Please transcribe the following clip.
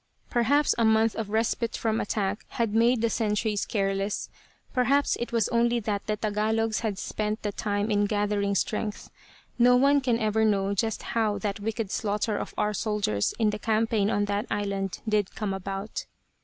Perhaps a month of respite from attack had made the sentries careless; perhaps it was only that the Tagalogs had spent the time in gathering strength. No one can ever know just how that wicked slaughter of our soldiers in the campaign on that island did come about.